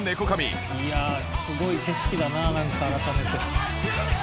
「いやあすごい景色だななんか改めて」